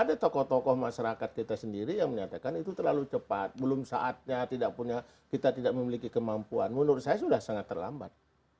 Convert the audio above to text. ada tokoh tokoh masyarakat kita sendiri yang menyatakan itu terlalu cepat belum saatnya kita tidak memiliki kemampuan menurut saya sudah sangat terlambat